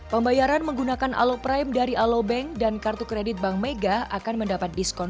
pembayaran menggunakan aloprime dari alobank dan kartu kredit bank mega akan mendapat diskon